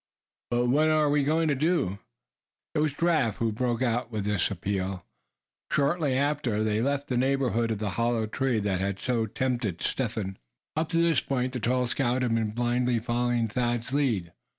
"But what are we agoin' to do?" It was Giraffe who broke out with this appeal, shortly after they left the neighborhood of the hollow tree that had so tempted Step Hen. Up to this point the tall scout had been blindly following Thad's lead.